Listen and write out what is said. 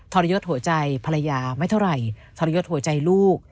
ทรยศหัวใจภรรยาไม่เท่าไหร่ทรยศหัวใจลูก